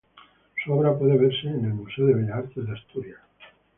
Su obra puede verse en el Museo de Bellas Artes de Asturias.